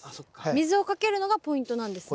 水をかけるのがポイントなんですね。